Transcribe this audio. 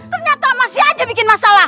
ternyata masih aja bikin masalah